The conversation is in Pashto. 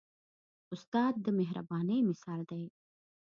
استاد د مهربانۍ مثال دی.